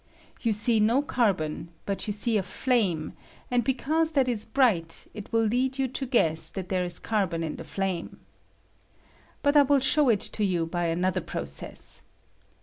You see no carbon, but you see a flame, and because that is bright it will lead you to guess that there is carbon in the flame. But I will show it to you by another process.